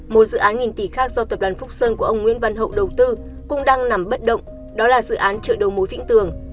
một dự án nghìn tỷ khác do tập đoàn phúc sơn của ông nguyễn văn hậu đầu tư cũng đang nằm bất động đó là dự án chợ đầu mối vĩnh tường